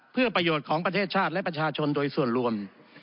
เพื่อประโยชน์ของประเทศชาติและประชาชนโดยส่วนรวม